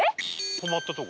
泊まったとこ？